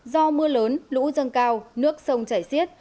do mưa lớn lũ dâng cao nước sông chảy xiết